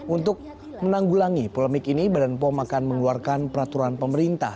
untuk menanggulangi polemik ini badan pom akan mengeluarkan peraturan pemerintah